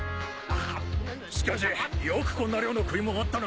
しかしよくこんな量の食い物あったな。